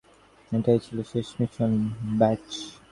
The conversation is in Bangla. এটাই ছিল শেষ মিশন, বায।